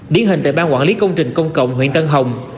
điển hình tại bang quản lý công trình công cộng huyện tân hồng